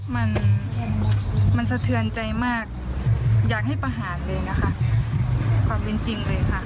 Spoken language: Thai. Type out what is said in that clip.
มันมันสะเทือนใจมากอยากให้ประหารเลยนะคะความเป็นจริงเลยค่ะ